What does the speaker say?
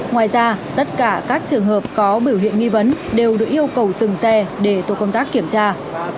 ngoài ra tất cả các trường hợp có biểu hiện nghi vấn đều được yêu cầu dừng xe để tổ công tác kiểm tra